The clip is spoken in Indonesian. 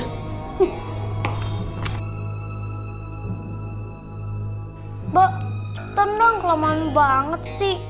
mbak tendang kelaman banget sih